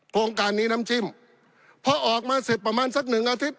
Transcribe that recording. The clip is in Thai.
โครงการนี้น้ำจิ้มพอออกมาเสร็จประมาณสักหนึ่งอาทิตย